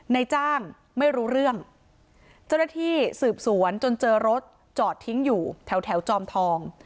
ในจ้างไม่รู้เรื่องเจ้าหน้าที่สืบสวนจนเจอรถจอดทิ้งอยู่แถวแถวจอมทอง